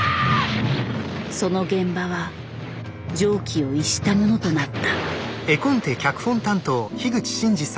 その現場は常軌を逸したものとなった。